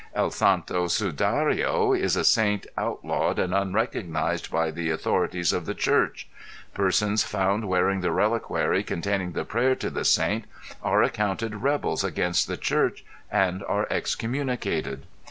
El Santo Sudario is a saint out lawed and unrecognized by the authorities of the church; persons found wearing the reliquary containing the prayer to the saint are accounted rebels against the church and are excommunicated.